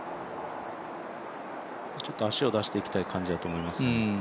ちょっと足を出していきたい感じだと思います。